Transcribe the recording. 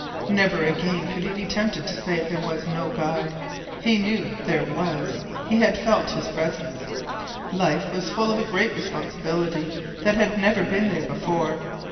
Never again could he be tempted to say there was no God. He knew there was. He had felt his presence. Life was full of a great responsibility that had never been there before.